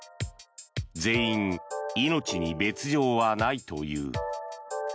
全員、命に別条はないという。